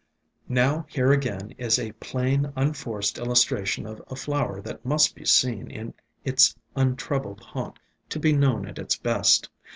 "Now here again is a plain, unforced illustra tion of a flower that must be seen in its un troubled haunt to be known at its best.